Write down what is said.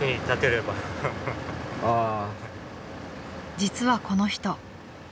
［実はこの人］